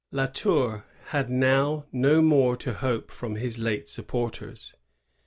La Tour had now no more to hope from his late supporters.